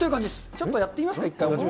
ちょっとやってみますか、一回。